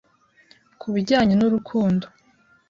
ku bijyanye n’urukundo.